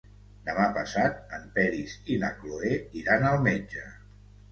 Demà passat en Peris i na Cloè iran al metge.